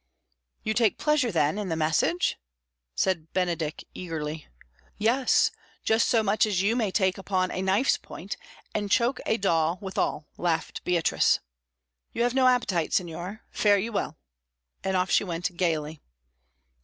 "You take pleasure, then, in the message?" said Benedick eagerly. "Yes, just so much as you may take upon a knife's point, and choke a daw withal," laughed Beatrice. "You have no appetite, signor? Fare you well." And off she went gaily.